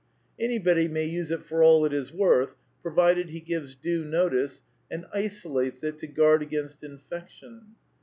Any body may use it for all it is worth, provided he gives due notice and isolates it to guard against infection.